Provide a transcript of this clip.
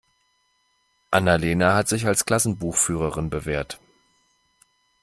Anna-Lena hat sich als Klassenbuchführerin bewährt.